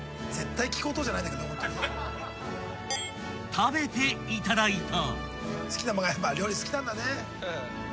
［食べていただいた］